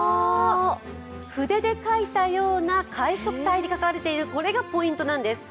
筆で書いたような楷書体で書かれている、これがポイントなんです。